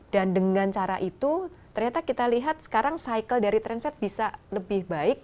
dan dengan cara itu ternyata kita lihat sekarang cycle dari transit bisa lebih baik